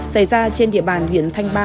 xảy ra trên địa bàn huyện thanh ba